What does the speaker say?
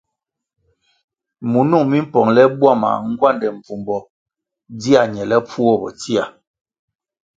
Munung mi mpongle bwama ngwande mbvumbo dzia ñelepfuo bo tsia.